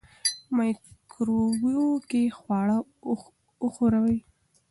مایکروویو کې خواړه وښوروئ.